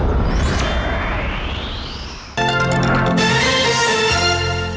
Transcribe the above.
โปรดติดตามตอนต่อไป